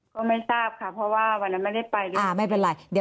เขาไม่ทราบค่ะเพราะว่าวันนั้นไม่ได้ไปเลย